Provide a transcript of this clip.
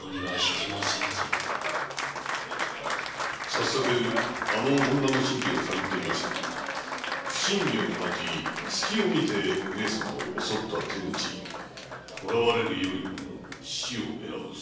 早速あの女の身辺を探ってみましたが不審火を放ち上様を襲った手口捕われるよりも死を選ぶ作法